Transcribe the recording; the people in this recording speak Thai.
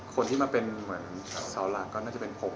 คนที่มาเป็นเหมือนเสาหลักก็น่าจะเป็นผม